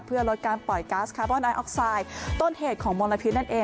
เพื่อลดการปล่อยก๊าซคาร์บอนไอออกไซด์ต้นเหตุของมลพิษนั่นเอง